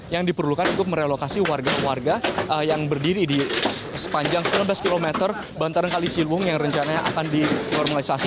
yang diperlukan untuk merelokasi warga warga yang berdiri di sepanjang sembilan belas km bantaran kali ciliwung yang rencananya akan dinormalisasi